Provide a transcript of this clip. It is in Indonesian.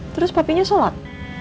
terus papinya sholat